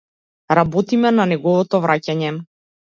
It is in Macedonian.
Работиме на неговото враќање.